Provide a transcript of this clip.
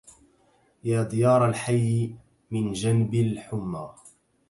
يا ديار الحي من جنب الحمى